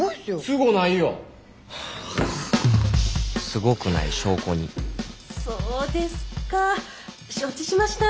すごくない証拠にそうですか承知しました